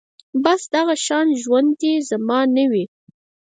بس دغه شان ژوند دې زما نه وي